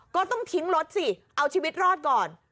ก็ต้องทิ้งรถสิเอาชีวิตรอดก่อน